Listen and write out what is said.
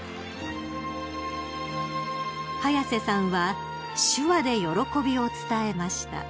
［早瀬さんは手話で喜びを伝えました］